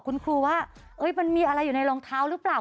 คุณครูว่ามันมีอะไรอยู่ในรองเท้าหรือเปล่า